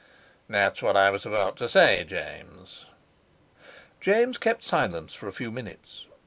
"That's what I was about to say, James." James kept silence for a few minutes.